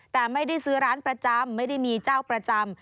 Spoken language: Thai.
แต่ไม่ได้ซื้อร้านประจำไม่ได้มีเจ้าประจำ